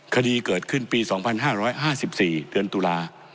คดีเกิดขึ้นปีสองพันห้าร้อยห้าสิบสี่เดือนตุลา